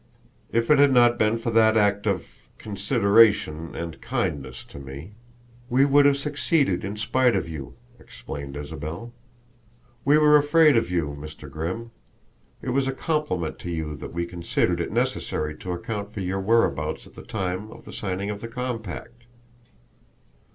"If it had not been for that act of consideration and kindness to me " "We would have succeeded in spite of you," explained Isabel. "We were afraid of you, Mr. Grimm. It was a compliment to you that we considered it necessary to account for your whereabouts at the time of the signing of the compact."